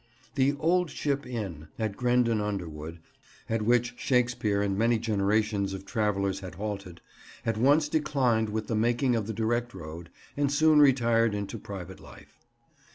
The "Old Ship" inn, at Grendon Underwood, at which Shakespeare and many generations of travellers had halted, at once declined with the making of the direct road, and soon retired into private life.